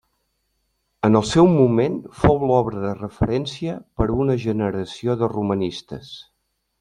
En el seu moment fou l'obra de referència per a una generació de romanistes.